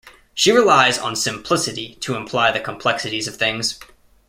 She relies on simplicity to imply the complexities of things.